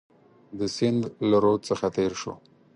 د سیند له رود څخه تېر شو.